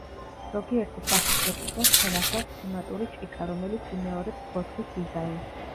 ზოგიერთი სახის შეფუთვას თან ახლავს თემატური ჭიქა, რომელიც იმეორებს ბოთლის დიზაინს.